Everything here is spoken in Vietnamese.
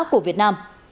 của việt nam